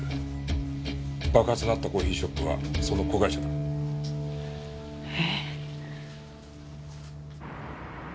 爆発のあったコーヒーショップはその子会社だ。え？